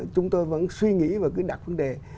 chúng tôi vẫn suy nghĩ và cứ đặt vấn đề